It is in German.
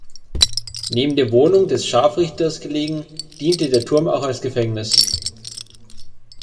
Neben der Wohnung des Scharfrichters gelegen, diente der Turm auch als Gefängnis.